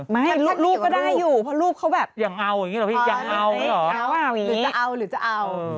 ไม่รูปก็ได้อยู่เพราะรูปเขาแบบยังเอาอย่างนี้หรอพี่ยังเอาหรือจะเอา